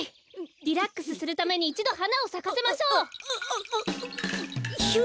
リラックスするためにいちどはなをさかせましょう。